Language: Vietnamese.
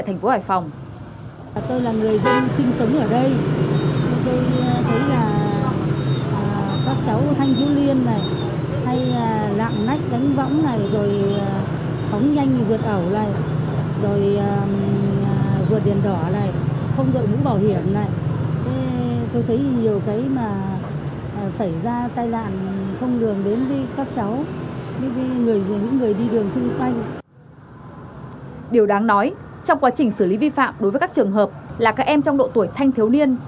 trong quá trình xử lý vi phạm đối với các trường hợp là các em trong độ tuổi thanh thiếu niên